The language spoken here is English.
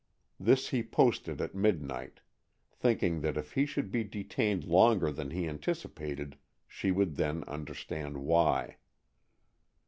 This he posted at midnight, thinking that if he should be detained longer than he anticipated, she would then understand why.